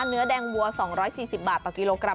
เนื้อแดงวัว๒๔๐บาทต่อกิโลกรั